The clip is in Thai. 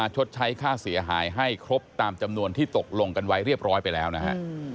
ชดใช้ค่าเสียหายให้ครบตามจำนวนที่ตกลงกันไว้เรียบร้อยไปแล้วนะฮะ